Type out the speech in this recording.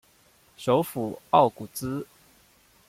首府奥古兹。